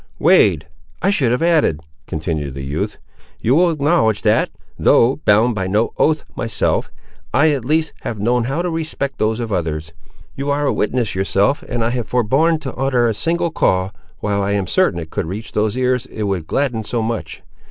"Wade, I should have added," continued the youth. "You will acknowledge that, though bound by no oath myself, I at least have known how to respect those of others. You are a witness yourself that I have forborne to utter a single call, while I am certain it could reach those ears it would gladden so much.